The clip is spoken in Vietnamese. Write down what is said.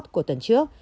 của tuần trước